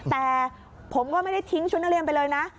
แต่ผมก็ไม่ได้ทิ้งชุดนักเรียนไปเลยนะ